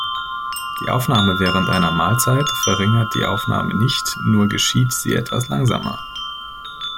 Die Aufnahme während einer Mahlzeit verringert die Aufnahme nicht, nur geschieht sie etwas langsamer.